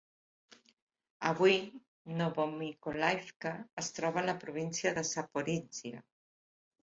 Avui Novomykolaivka es troba a la província de Zaporizhia.